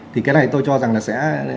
thì cái này tôi cho rằng là sẽ